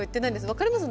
分かります？